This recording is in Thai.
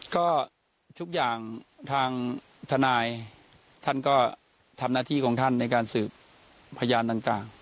ก็ทุกอย่างทางทนายท่านก็ทำหน้าที่ของท่านในการสืบพยานต่าง